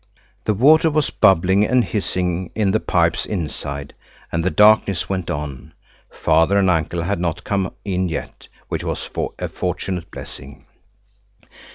The water was bubbling and hissing in the pipes inside, and the darkness went on. Father and uncle had not come in yet, which was a fortunate blessing.